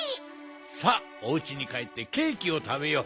さあおうちにかえってケーキをたべよう。